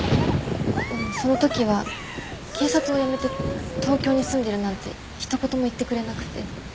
その時は警察を辞めて東京に住んでるなんてひと言も言ってくれなくて。